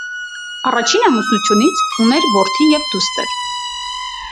Առաջին ամուսնությունից ուներ որդի և դուստր։